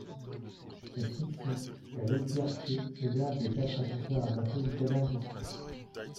La section La Louvière-Thieu héberge les quatre ascenseurs à bateaux du Canal du Centre.